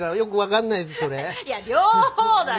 いや両方だよ。